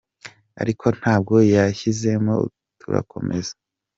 ariko ntabwo yashizemo turakomeza.